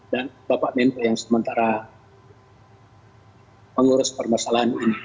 dan bapak menko yang sementara mengurus permasalahan ini